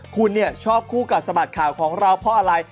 คุณชอบคู่กัดสะบัดข่าวของเราเพราะอะไร